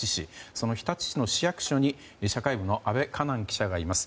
その日立市の市役所に社会部の阿部佳南記者がいます。